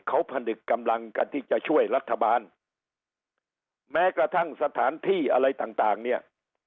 เขาผนึกกำลังกันที่จะช่วยรัฐบาลแม้กระทั่งสถานที่อะไรต่างต่างเนี่ย